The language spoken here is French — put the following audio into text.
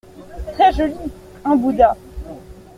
Très joli… un bouddha.